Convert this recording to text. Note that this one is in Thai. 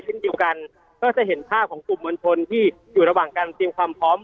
เช่นเดียวกันก็จะเห็นภาพของกลุ่มมวลชนที่อยู่ระหว่างการเตรียมความพร้อม